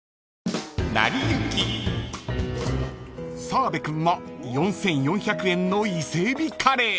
［澤部君は４，４００円の伊勢えびカレー］